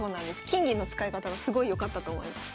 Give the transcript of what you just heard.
金銀の使い方がすごいよかったと思います。